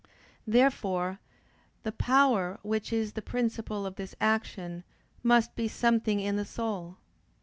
Therefore the power which is the principle of this action must be something in the soul.